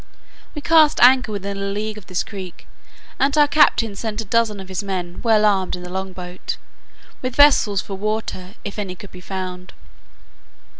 We cast anchor within a league of this creek, and our captain sent a dozen of his men well armed in the long boat, with vessels for water, if any could be found.